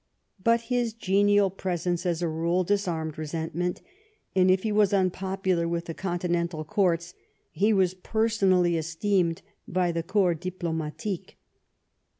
But his genial presence as a rule disarmed resent ment, and if he was unpopular with the continental courts, he was personally esteemed by the Corps Diplo matique.